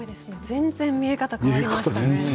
全然、見え方が変わりましたね。